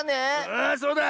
⁉ああそうだ。